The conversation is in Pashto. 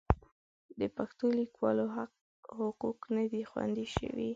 د پښتو لیکوالانو حقوق نه دي خوندي شوي.